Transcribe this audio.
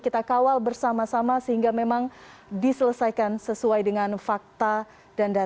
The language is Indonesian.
kita kawal bersama sama sehingga memang diselesaikan sesuai dengan faktornya